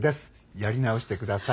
やり直して下さい。